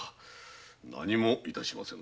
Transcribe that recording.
何も致しませぬ。